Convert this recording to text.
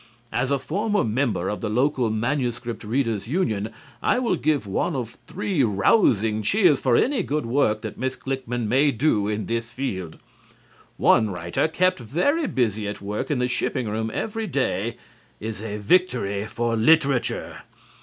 As a former member of the local manuscript readers' union, I will give one of three rousing cheers for any good work that Miss Klickmann may do in this field. One writer kept very busy at work in the shipping room every day is a victory for literature.